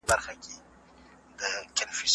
زه اجازه لرم چي امادګي ونيسم،